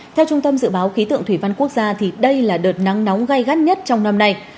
theo trung tâm dự báo khí tượng thủy văn quốc gia đây là đợt nắng nóng gai gắt nhất trong năm nay